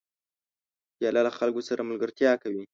پیاله له خلکو سره ملګرتیا کوي.